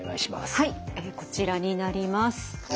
はいこちらになります。